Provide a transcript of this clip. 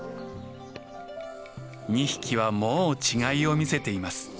２匹はもう違いを見せています。